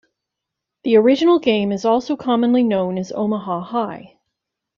The original game is also commonly known as "Omaha high".